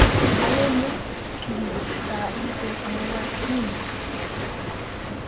Alle Mitgliedsstaaten sind Monarchien.